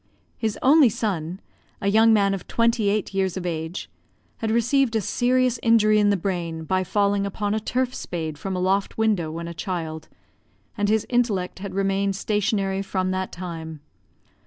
His only son, a young man of twenty eight years of age, had received a serious injury in the brain by falling upon a turf spade from a loft window when a child, and his intellect had remained stationary from that time.